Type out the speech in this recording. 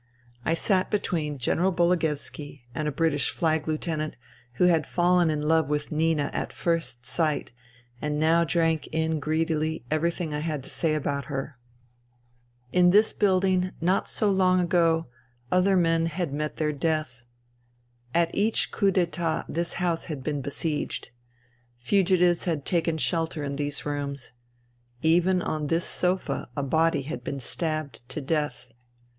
I sat between General Bologoevski and a British flag lieutenant, who had fallen in love with Nina at first sight and now drank in greedily every tiling I had to say about her. In 200 FUTILITY this building, not so long ago, other men had met their death. At each coup d'iUit this house had been besieged. Fugitives had taken shelter in these rooms. Even on this sofa a body had been stabbed to death.